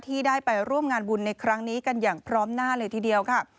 ที่ได้ไปร่วมงานบุญในครั้งนี้กันอย่างพร้อมหน้าเลยทีเดียวค่ะ